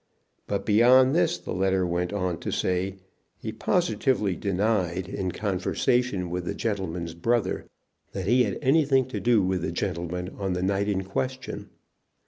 "But beyond this," the letter went on to say, "he positively denied, in conversation with the gentleman's brother, that he had anything to do with the gentleman on the night in question.